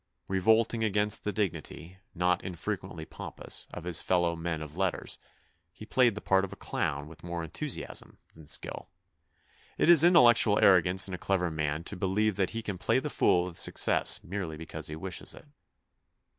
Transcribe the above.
Revolting against the dig nity, not infrequently pompous, of his fellow men of letters, he played the part of clown with more enthusiasm than skill. It is intel lectual arrogance in a clever man to believe that he can play the fool with success merely because he wishes it.